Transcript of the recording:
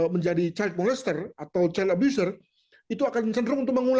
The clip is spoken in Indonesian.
menjadi child molester atau child abuser itu akan cenderung untuk menghukumnya